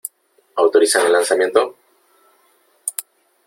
¿ Autorizan el lanzamiento ?